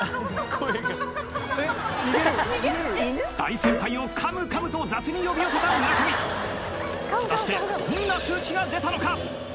大先輩を「カムカム」と雑に呼び寄せた村上果たしてどんな数値が出たのか？